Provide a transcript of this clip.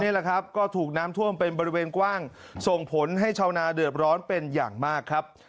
นี่แหละครับก็ถูกน้ำท่วมเป็นบริเวณกว้างส่งผลให้ชาวนาเดือดร้อนเป็นอย่างมากครับ